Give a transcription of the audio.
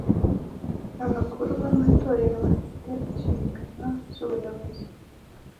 abakuru b’amatorero bafite inshingano z’ubuyobozi.